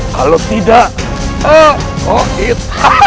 kalau tidak ha hoib